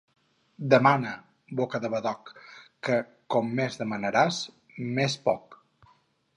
Demana, boca de badoc, que com més demanaràs, més poc.